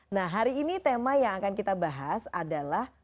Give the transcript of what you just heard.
nah hari ini tema yang akan kita bahas adalah